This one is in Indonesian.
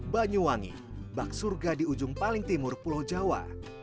banyuwangi bak surga di ujung paling timur pulau jawa